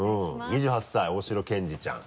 ２８歳大城健治ちゃん。